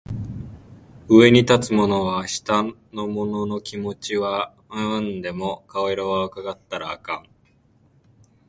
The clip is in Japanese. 上に立つ者は下の者の気持ちは汲んでも顔色は窺ったらあかん